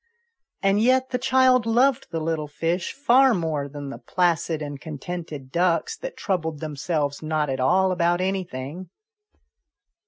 And yet the child loved the little fish far more than the placid and contented ducks that troubled themselves not at all about anything.